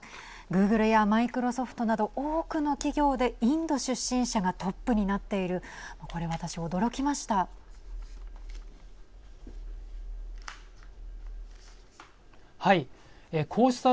グーグルやマイクロソフトなど多くの企業でインド出身者がトップになっているこれ私驚きました。